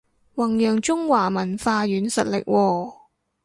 弘揚中華文化軟實力喎